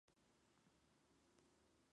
Fue filmada parcialmente en Mendoza.